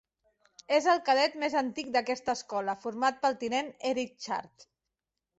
És el cadet més antic d'aquesta escola format pel tinent Eric Chart.